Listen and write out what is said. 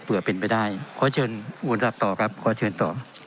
เผื่อเป็นไปได้ขอเชิญอุณสัตว์ต่อกับขอเชิญต่อ